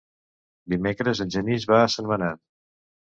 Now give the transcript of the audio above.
Dimecres en Genís va a Sentmenat.